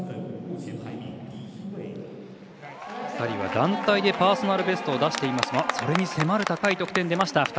２人は団体でパーソナルベストを出していますがそれに迫る高い得点出ました。